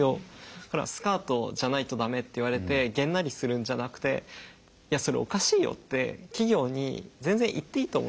だから「スカートじゃないと駄目」って言われてげんなりするんじゃなくて「いやそれおかしいよ」って企業に全然言っていいと思うんですよ。